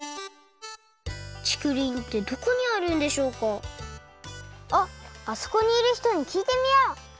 ちくりんってどこにあるんでしょうかあっあそこにいるひとにきいてみよう。